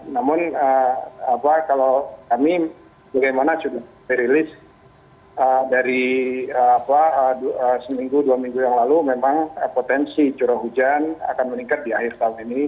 namun kalau kami bagaimana sudah merilis dari seminggu dua minggu yang lalu memang potensi curah hujan akan meningkat di akhir tahun ini